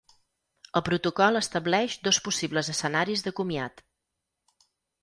El protocol estableix dos possibles escenaris de comiat.